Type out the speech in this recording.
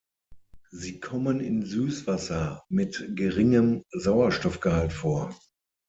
Sie kommen in Süßwasser mit geringem Sauerstoffgehalt vor.